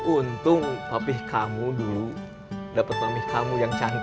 untung papih kamu dulu dapet mamih kamu yang cantik